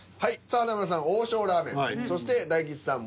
さあ華丸さん「王将ラーメン」そして大吉さん